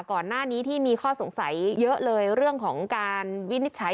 ก่อนหน้านี้ที่มีข้อสงสัยเยอะเลยเรื่องของการวินิจฉัย